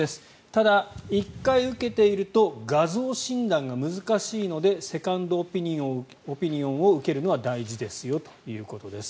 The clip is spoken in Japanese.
ただ、１回受けていると画像診断が難しいのでセカンドオピニオンを受けるのは大事ですよということです。